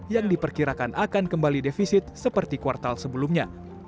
yang diperkirakan akan kembali defisit seperti kuartal sebelumnya